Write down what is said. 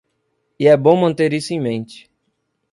E é bom manter isso em mente.